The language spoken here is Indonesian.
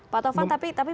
pak tovan tapi